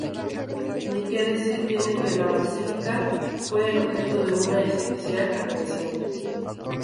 Ni que decir tiene que la Basílica fue el objeto de una especial atención.